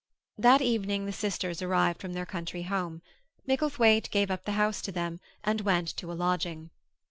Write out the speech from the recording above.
That evening the sisters arrived from their country home. Micklethwaite gave up the house to them, and went to a lodging.